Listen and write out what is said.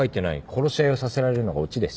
殺し合いをさせられるのがオチです。